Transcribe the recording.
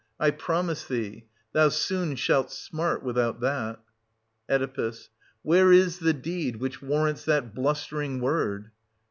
I promise thee, thou soon shalt smart without that. Oe. Where is the deed which warrants that bluster ing word